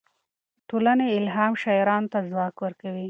ټولنې الهام شاعرانو ته ځواک ورکوي.